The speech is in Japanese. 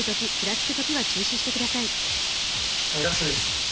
９ラストです。